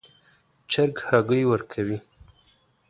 چرګ هګۍ ورکوي